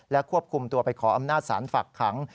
ควบคุมตัวไปขออำนาจศาลฝากขัง